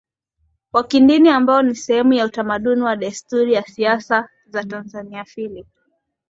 wa kidini ambao ni sehemu ya utamaduni na desturi ya siasa za TanzaniaPhilip